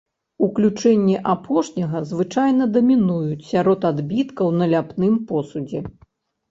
Уключэнні апошняга звычайна дамінуюць сярод адбіткаў на ляпным посудзе.